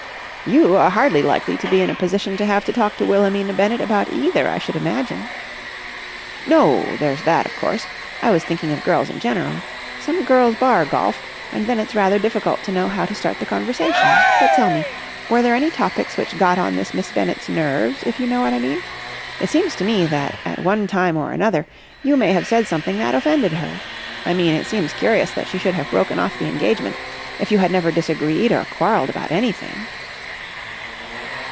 "You are hardly likely to be in a position to have to talk to Wilhelmina Bennett about either, I should imagine." "No, there's that, of course. I was thinking of girls in general. Some girls bar golf, and then it's rather difficult to know how to start the conversation. But, tell me, were there any topics which got on this Miss Bennett's nerves, if you know what I mean? It seems to me that at one time or another you may have said something that offended her. I mean, it seems curious that she should have broken off the engagement if you had never disagreed or quarrelled about anything."